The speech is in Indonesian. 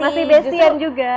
masih bestian juga